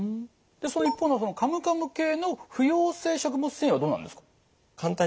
でその一方のカムカム系の不溶性食物繊維はどうなんですか？